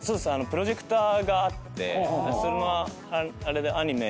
プロジェクターがあってそのあれでアニメ。